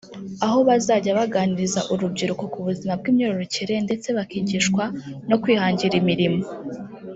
aho bazajya baganiriza urubyiruko ku buzima bw’imyororokere ndetse bakigishwa no kwihangira imirimo